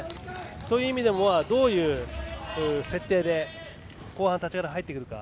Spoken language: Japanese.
そういう意味でもどういう設定で後半の立ち上がり入ってくるか。